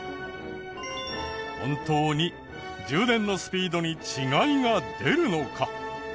本当に充電のスピードに違いが出るのか？